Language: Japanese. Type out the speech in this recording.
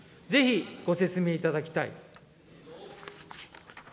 ぜひご説明いただきたい。